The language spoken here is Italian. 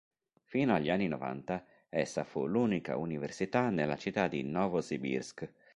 Fino agli anni novanta essa fu l'unica università nella città di Novosibirsk.